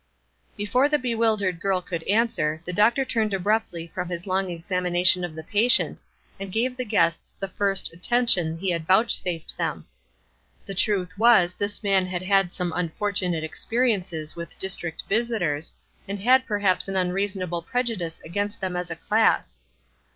Before the bewildered girl could answer, the doctor turned abruptly from his long examination of his patient, and gave the guests the first attention he had vouchsafed them. The truth was this man had had some unfortunate experiences with district visitors, and had perhaps an unreasonable prejudice against them as a class.